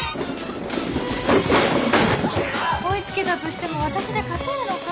追い付けたとしても私で勝てるのか？